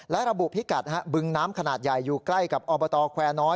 และระบุพิกัดบึงน้ำขนาดใหญ่อยู่ใกล้กับอบตแควร์น้อย